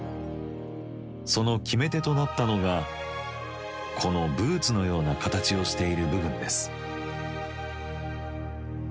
その決め手となったのがこのブーツのような形をしている部分です。